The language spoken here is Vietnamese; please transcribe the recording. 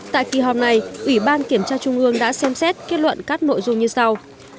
tại kỳ họp này ủy ban kiểm tra trung ương đã xem xét kết luận các nội dung như sau